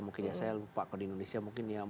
mungkin ya saya lupa kalau di indonesia mungkin yang